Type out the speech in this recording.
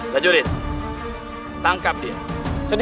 saya tidak numer asal